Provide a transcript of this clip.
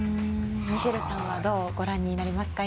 ミシェルさんはどうご覧になりますか？